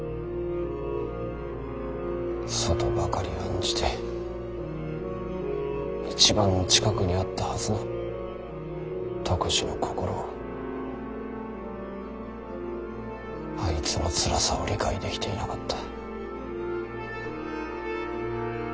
外ばかり案じて一番近くにあったはずの篤二の心をあいつのつらさを理解できていなかった。